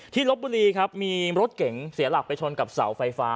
ลบบุรีครับมีรถเก๋งเสียหลักไปชนกับเสาไฟฟ้า